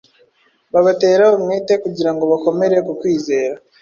babatera umwete kugira ngo bakomere ku kwizera.